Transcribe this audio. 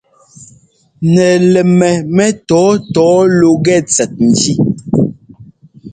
Nɛlɛmmɛ mɛtɔ̌ɔtɔ̌ɔ lúgɛ tsɛt njí.